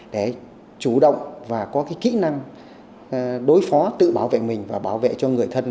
để chủ động và có kỹ năng đối phó tự bảo vệ mình và bảo vệ cho người thân